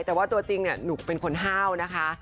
แต่ว่าตัวจริงหนูเป็นคนห้าวนะคะ